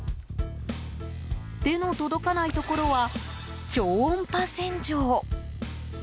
手の届かないところは超音波洗浄。